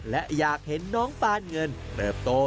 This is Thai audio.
และอยากเห็นน้องปานเงินเติบโต